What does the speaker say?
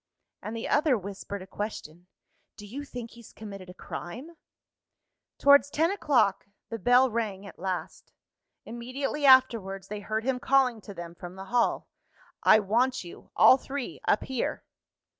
And the other whispered a question: "Do you think he's committed a crime?" Towards ten o'clock, the bell rang at last. Immediately afterwards they heard him calling to them from the hall. "I want you, all three, up here."